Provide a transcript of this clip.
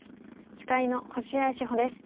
司会の星合志保です。